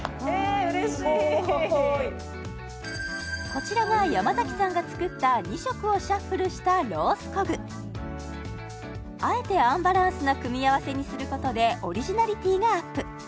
こちらが山さんが作った２色をシャッフルしたロースコグあえてアンバランスな組み合わせにすることでオリジナリティーがアップ